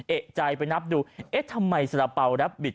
เอกใจไปนับดูเอ๊ะทำไมสาระเป๋ารับบิด